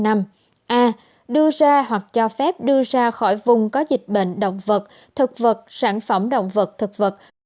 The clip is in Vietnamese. a đưa ra hoặc cho phép đưa ra khỏi vùng có dịch bệnh động vật thực vật sản phẩm động vật thực vật